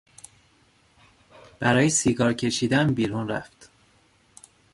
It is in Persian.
برای سیگار کشیدن بیرون رفت.